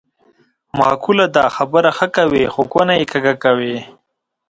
معقوله ده: خبره ښه کوې خو کونه یې کږه کوې.